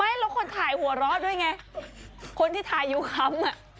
เออทับ